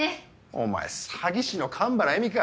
お前詐欺師の神原恵美か！